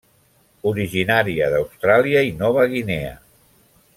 Originària d'Austràlia i Nova Guinea.